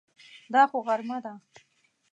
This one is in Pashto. دا خو غرمه ده!